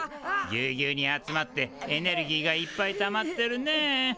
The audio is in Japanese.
ギュギュに集まってエネルギーがいっぱいたまってるねえ。